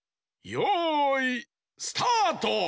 よいスタート！